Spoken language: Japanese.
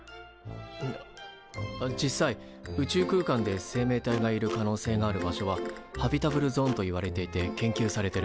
あっ実際宇宙空間で生命体がいる可能性がある場所はハビタブルゾーンといわれていて研究されてる。